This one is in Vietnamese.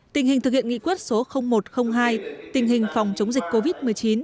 tình hình thực hiện nghị quyết số một trăm linh hai tình hình phòng chống dịch covid một mươi chín